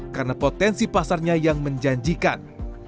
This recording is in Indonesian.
karena potensi pasarnya yang menjanjikan